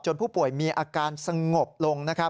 ผู้ป่วยมีอาการสงบลง